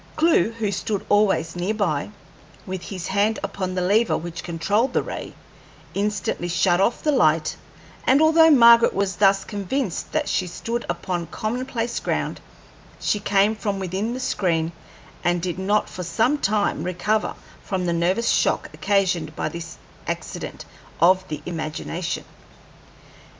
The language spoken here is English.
Clewe, who stood always near by, with his hand upon the lever which controlled the ray, instantly shut off the light; and although Margaret was thus convinced that she stood upon commonplace ground, she came from within the screen, and did not for some time recover from the nervous shock occasioned by this accident of the imagination.